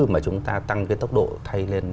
mà chúng ta tăng cái tốc độ thay lên